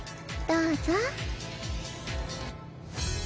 どうぞ。